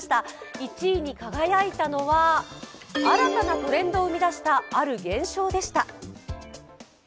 １位に輝いたのは、新たなトレンドを生み出したある現象でした。